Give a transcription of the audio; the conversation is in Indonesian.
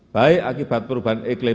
baik akibat perubahan eklima